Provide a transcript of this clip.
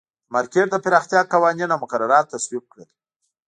د مارکېټ د پراختیا قوانین او مقررات تصویب کړل.